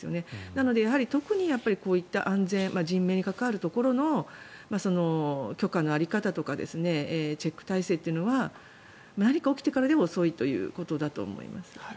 なので、特にこういった安全人命に関わるところの許可の在り方とかチェック体制というのは何かが起きてからは遅いということだと思います。